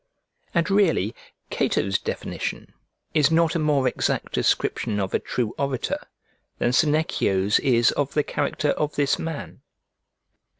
And really Cato's definition is not a more exact description of a true orator than Seneclo's is of the character of this man.